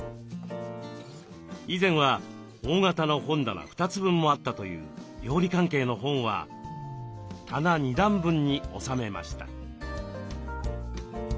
以前は大型の本棚２つ分もあったという料理関係の本は棚２段分に収めました。